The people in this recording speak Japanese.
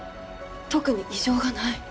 特に異常がない。